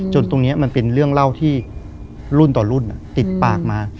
ตรงนี้มันเป็นเรื่องเล่าที่รุ่นต่อรุ่นติดปากมา